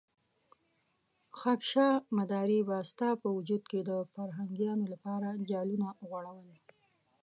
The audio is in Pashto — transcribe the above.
خاکيشاه مداري به ستا په وجود کې د فرهنګيانو لپاره جالونه غوړول.